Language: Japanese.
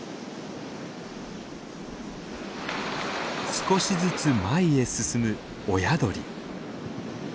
少しずつ前へ進む親鳥。